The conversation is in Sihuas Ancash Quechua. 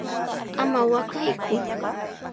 ¡Ama waqayku!